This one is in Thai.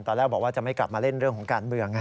ตอนแรกบอกว่าจะไม่กลับมาเล่นเรื่องของการเมือง